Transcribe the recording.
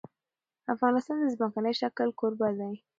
افغانستان د ځمکنی شکل کوربه دی.